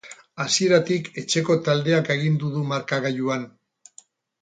Hasieratik etxeko taldeak agindu du markagailuan.